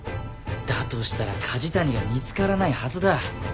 だとしたら梶谷が見つからないはずだ。